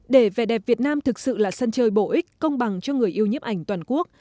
để vẻ đẹp việt nam thực sự là sân chơi bổ ích công bằng cho người yêu nhếp ảnh toàn quốc